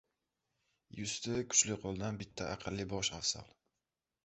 • Yuzta kuchli qo‘ldan bitta aqlli bosh afzal.